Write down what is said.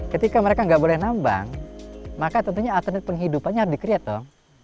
ketika mereka nggak boleh nambang maka tentunya alternatif penghidupannya harus dikriat dong